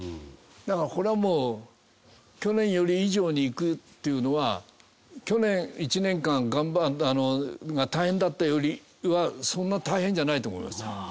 だからこれはもう去年より以上にいくっていうのは去年１年間大変だったよりはそんな大変じゃないと思います。